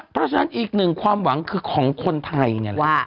เพราะฉะนั้นอีกหนึ่งความหวังคือของคนไทยนี่แหละ